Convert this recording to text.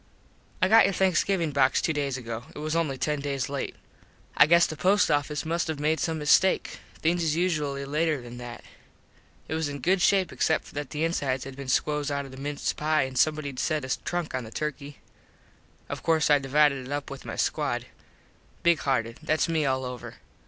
I got your Thanksgivin box two days ago. It was only ten days late. I guess the post office must have made some mistake. Things is usually later than that. It was in good shape except that the insides had been squoze out of the mince pie and somebodied set a trunk on the turky. Of course I divided it up with my squad. Big hearted. Thats me all over.